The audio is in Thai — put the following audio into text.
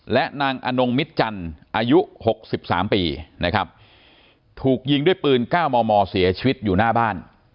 และนางอนงมิตจันทร์อายุ๖๓ปีนะครับถูกยิงด้วยปืน๙มมเสียชีวิตอยู่หน้าบ้าน